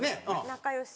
仲良し。